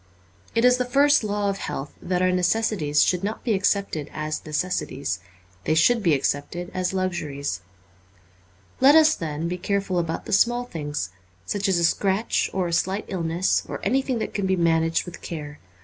It is the first law of health that our necessities should not be accepted as necessities ; they should be accepted as luxuries. Let us, then, be careful about the small things, such as a scratch or a slight illness, or anything that can be managed with care.